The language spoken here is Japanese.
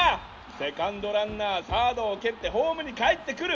セカンドランナーサードを蹴ってホームにかえってくる！